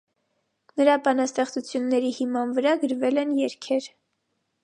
Նրա բանաստեղծությունների հիման վրա գրվել են երգեր։